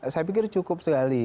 saya pikir cukup sekali